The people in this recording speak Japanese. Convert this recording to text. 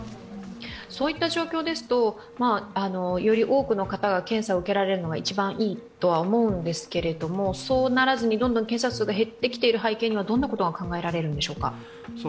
そういった状況ですと、より多くの方が検査を受けられるのが一番いいと思うんですけれども、そうならずに、検査数が減ってきている背景にはどんなことが考えられますでしょうか？